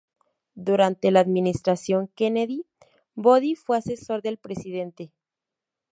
Durante la administración Kennedy, "Bobby" fue asesor del presidente.